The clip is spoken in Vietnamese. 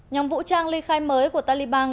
nhóm vũ trang ly khai mới của taliban